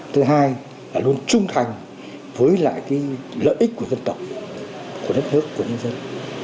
thứ hai là luôn trung thành với lại lợi ích của dân tộc của đất nước của nhân dân